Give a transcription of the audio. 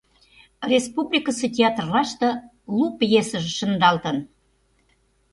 Республикысе театрлаште лу пьесыже шындалтын.